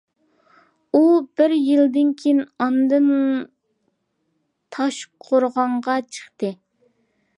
ئۇ بىر يىلدىن كېيىن ئاندىن تاشقورغانغا چىقتى.